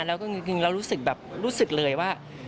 เรารู้สึกแบบรู้สึกเลยว่า